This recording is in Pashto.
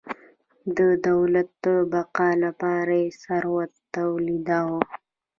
د دولت د بقا لپاره یې ثروت تولیداوه.